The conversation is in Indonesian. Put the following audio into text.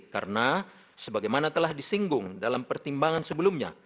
karena sebagaimana telah disinggung dalam pertimbangan sebelumnya